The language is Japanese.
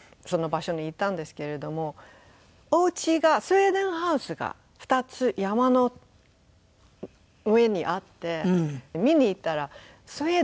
お家がスウェーデンハウスが２つ山の上にあって見に行ったらスウェーデンなんですよ。